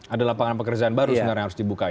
ada lapangan pekerjaan baru sebenarnya yang harus dibuka